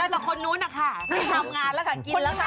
แต่ต่อคนนู้นอะค่ะทำงานแล้วกินแล้วค่ะ